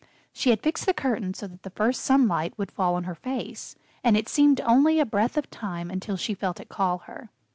] She had fixed the curtain so that the first sunlight would fall on her face, and it seemed only a breath of time until she felt it call her.